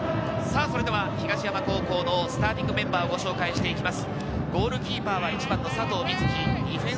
東山高校のスターティングメンバーをご紹介していきます。